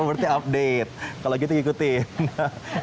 oh berarti update kalau gitu ikutin